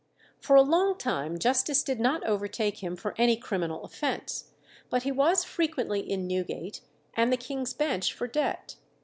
For a long time justice did not overtake him for any criminal offence, but he was frequently in Newgate and in the King's Bench for debt.